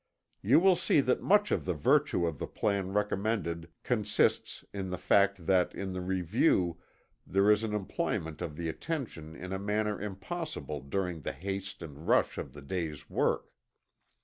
You will see that much of the virtue of the plan recommended consists in the fact that in the review there is an employment of the attention in a manner impossible during the haste and rush of the day's work.